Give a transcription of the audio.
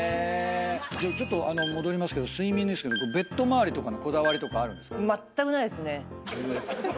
ちょっと戻りますけど睡眠ベッド周りのこだわりとかあるんですか？